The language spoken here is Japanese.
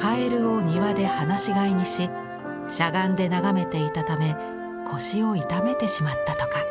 蛙を庭で放し飼いにししゃがんで眺めていたため腰を痛めてしまったとか。